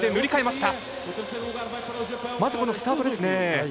まず、このスタートですね。